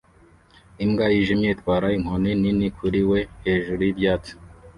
Imbwa yijimye itwaye inkoni nini kuri we hejuru yibyatsi